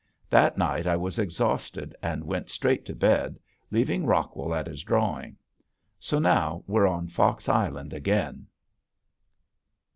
That night I was exhausted and went straight to bed, leaving Rockwell at his drawing. So now we're on Fox Island again.